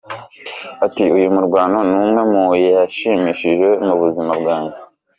Ati “ Uyu murwano ni umwe mu yanshimishije mu buzima bwanjye.